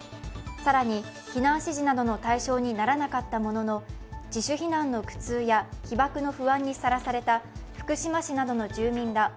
更に、避難指示などの対象にならなかったものの自主避難の苦痛や被ばくの不安にさらされた福島市などの住民ら